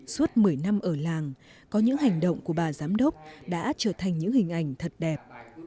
suốt một mươi năm ở làng có những hành động của bà giám đốc đã trở thành những hình ảnh thật đẹp